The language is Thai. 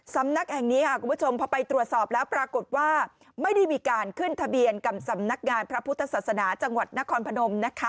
สำนักแห่งนี้คุณผู้ชมพอไปตรวจสอบแล้วปรากฏว่าไม่ได้มีการขึ้นทะเบียนกับสำนักงานพระพุทธศาสนาจังหวัดนครพนมนะคะ